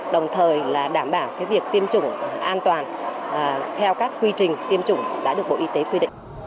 đồng thời là đảm bảo việc tiêm chủng an toàn theo các quy trình tiêm chủng đã được bộ y tế quy định